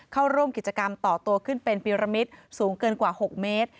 เข้าร่วมกิจกรรมต่อตัวขึ้นเป็นปีรมิตสูงเกินกว่า๖เมตร